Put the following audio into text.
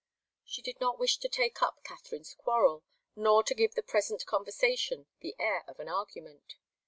She did not wish to take up Katharine's quarrel, nor to give the present conversation the air of an argument.